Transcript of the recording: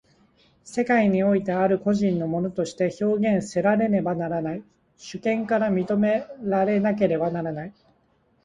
世界においてある個人の物として表現せられねばならない、主権から認められなければならない。